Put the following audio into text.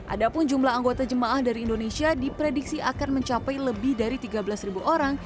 ada pun jumlah anggota jemaah dari indonesia diprediksi akan mencapai lebih dari tiga belas orang